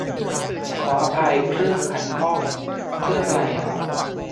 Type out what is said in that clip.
ขออภัย 'เครื่อง' ขัดข้อง เครื่องไรอ่ะ ?